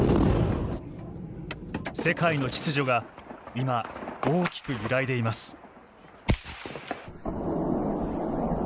世界の秩序が今大きく揺らいでいます。